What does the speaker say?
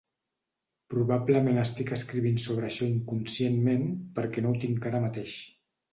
Probablement estic escrivint sobre això inconscientment perquè no ho tinc ara mateix.